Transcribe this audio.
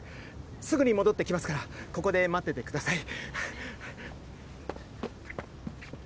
すぐに戻って来ますからここで待っててください。